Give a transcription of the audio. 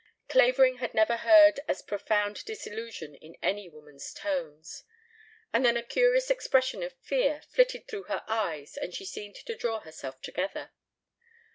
Clavering had never heard as profound disillusion in any woman's tones. And then a curious expression of fear flitted through her eyes and she seemed to draw herself together.